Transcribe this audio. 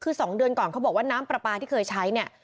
คือ๒เดือนก่อนเขาบอกว่าน้ำปลาปลาที่เคยใช้เนี่ย